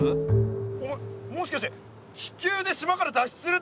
お前もしかして気球で島から脱出するってこと？